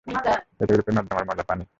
এটা ইউরোপের নর্দমার ময়লা পানি।